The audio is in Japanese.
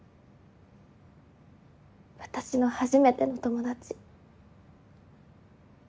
私の初めての友達。